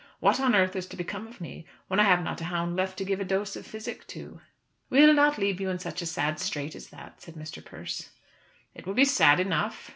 What on earth is to become of me when I have not a hound left to give a dose of physic to?" "We'll not leave you in such a sad strait as that," said Mr. Persse. "It will be sad enough.